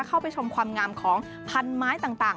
เข้าไปชมความงามของพันไม้ต่าง